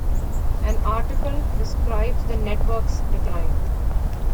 An article describes the network's decline.